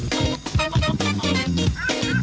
เผ้าใส่ไข่ซบกว่าไข่ไหม้กว่าเดิม